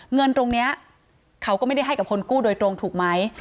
เงินตรงนี้เขาก็ไม่ได้ให้กับคนกู้โดยตรงถูกไหม